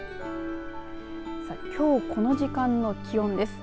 さあきょうこの時間の気温です。